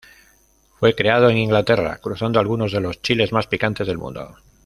Fue creado en Inglaterra cruzando algunos de los chiles más picantes del mundo.